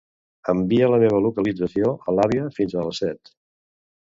Envia la meva localització a l'àvia fins a les set.